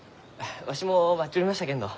わしも待っちょりましたけんど。